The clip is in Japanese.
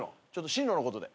進路のことで。